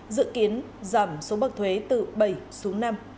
dự kiến giảm số bậc thuế từ bảy xuống năm